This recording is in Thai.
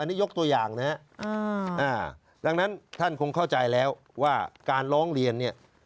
อันนี้ยกตัวอย่างนะฮะดังนั้นท่านคงเข้าใจแล้วว่าการร้องเรียนเนี่ย